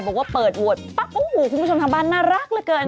บอกว่าเปิดโหวตปั๊บโอ้โหคุณผู้ชมทางบ้านน่ารักเหลือเกิน